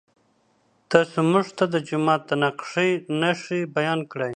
تاسو موږ ته د جومات د نقشې نښې بیان کړئ.